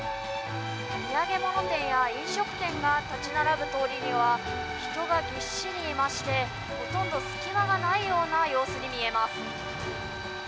土産物店や、飲食店が立ち並ぶ通りには、人がぎっしりいまして、ほとんど隙間がないような様子に見えます。